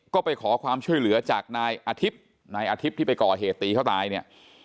ก็ไปขอความช่วยเหลือจากนายอาทิตย์นายอาทิตย์ที่ไปก่อเหตุตีเขาตายเนี่ย